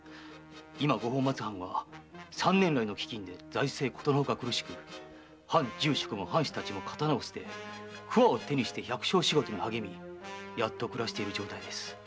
今五本松藩は三年来の飢饉で財政ことのほか苦しく藩重職も藩士たちも刀を捨て鍬を手にして百姓仕事に励みやっと暮らしている状態です。